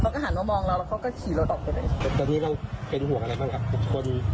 ก็หาได้ลองมองเราก็ขี่มาตกกันเลย